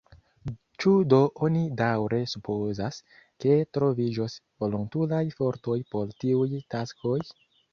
Ĉu do oni daŭre supozas, ke troviĝos volontulaj fortoj por tiuj taskoj?